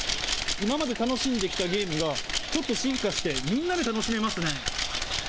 今まで楽しんできたゲームがちょっと進化して、みんなで楽しめますね。